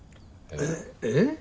えっえっ？